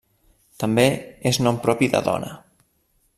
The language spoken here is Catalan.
També és nom propi de dona.